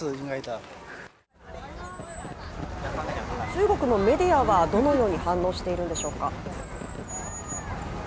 中国のメディアはどのように反応しているんでしょうか？